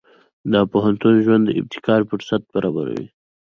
د پوهنتون ژوند د ابتکار فرصت برابروي.